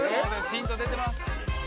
ヒント出てます。